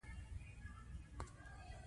خولۍ د غیرت او حیا نښه ګڼل کېږي.